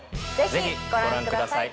ぜひご覧ください